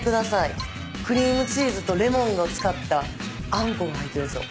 クリームチーズとレモンを使ったあんこが入ってるんですよ。